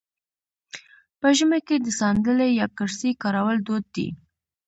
په ژمي کې د ساندلۍ یا کرسۍ کارول دود دی.